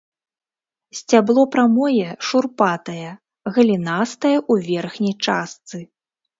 Сцябло прамое, шурпатае, галінастае ў верхняй частцы.